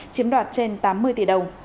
chiếm đoạt trên tám mươi tỷ đồng